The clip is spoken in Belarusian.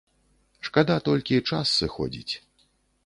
Шкада толькі, час сыходзіць.